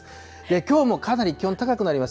きょうもかなり気温高くなります。